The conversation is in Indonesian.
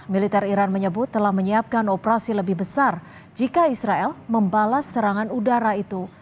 militer iran menyebut telah menyiapkan operasi lebih besar jika israel membalas serangan udara itu